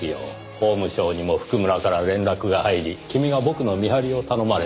法務省にも譜久村から連絡が入り君が僕の見張りを頼まれた。